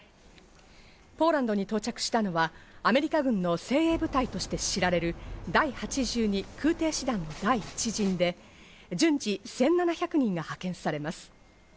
ポーランドに到着したのは、アメリカ軍の精鋭部隊として知られる第８２空挺師団の第一陣で順次１７００人が派遣されます。